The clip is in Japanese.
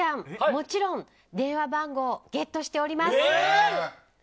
もちろん、電話番号ゲットしております。